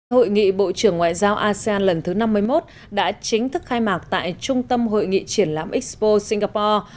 hội nghị bộ trưởng ngoại giao asean lần thứ năm mươi một đã chính thức khai mạc tại trung tâm hội nghị triển lãm expo singapore